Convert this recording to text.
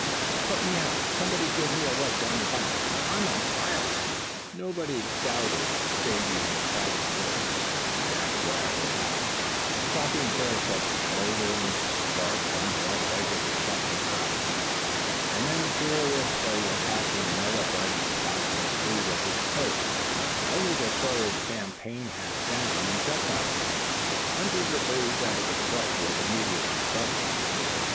"PUT me out! somebody give me a rub down the back! I'm on fire!" Nobody doubted Davy's excited words, as he danced wildly about, slapping first at a smouldering spark on the right leg of his khaki trousers; and then furiously attacking another burning spot on the sleeve of his coat; only to throw his campaign hat down, and jump on it, under the belief that it was threatened with immediate destruction.